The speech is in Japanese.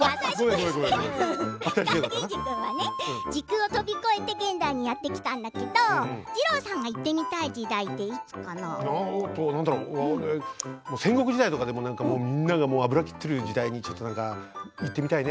光源氏君は時空を飛び越えて現代にやってきたんだけど二朗さんが行ってみたい時代は戦国時代とかみんなが脂ぎっている時代に行ってみたいね。